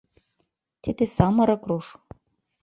— Тиде самырык руш.